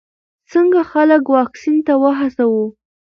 څنګه خلک واکسین ته وهڅوو؟